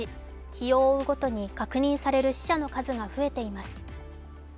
日を追うごとに確認される死者の数が増えています。